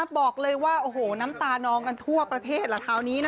บอกเลยว่าน้ำตานองกันทั่วประเทศตอนนี้